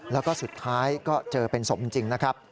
แล้วก็สุดท้ายก็เจอเป็นศพจริงนะครับ